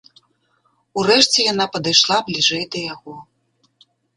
Урэшце яна падышла бліжэй да яго.